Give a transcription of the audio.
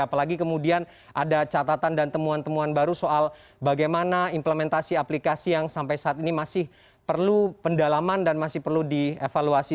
apalagi kemudian ada catatan dan temuan temuan baru soal bagaimana implementasi aplikasi yang sampai saat ini masih perlu pendalaman dan masih perlu dievaluasi